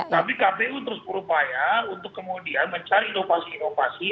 tapi kpu terus berupaya untuk kemudian mencari inovasi inovasi